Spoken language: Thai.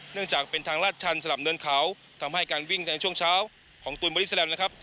เนื่องจากเป็นทางลาดชันสลับเนินเขาทำให้การวิ่งในช่วงเช้าของตูนบริสแลมนะครับ